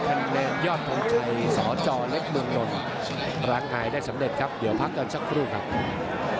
คำสั่งคำสั่งคำสั่งพระเอกยิรวมจิตอิงเยี่ยมสวิทย์กาลีชิฯ